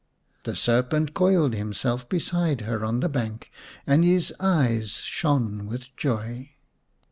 The serpent coiled himself beside her on the bank, and his eyes shone with joy.